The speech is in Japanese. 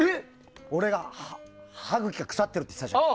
俺が歯茎が腐ってるって言ったじゃん。